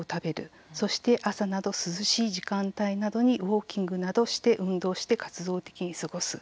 そして朝など涼しい時間帯などにウォーキングなどして運動して活動的に過ごす。